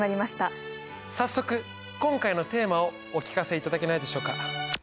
早速今回のテーマをお聞かせいただけないでしょうか？